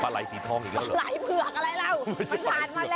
กรรเลยสีทองอีกแล้วละคุณผู้ชมเผื่อกอะไรล่ะ